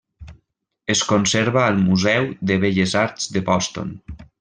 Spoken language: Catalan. Es conserva al Museu de Belles Arts de Boston.